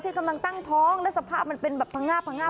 ที่กำลังตั้งท้องแล้วสภาพมันเป็นแบบพังงา